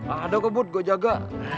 ada kok bud gua jaga